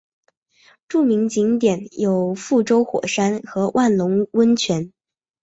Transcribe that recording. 著名景点有覆舟火山和万隆温泉。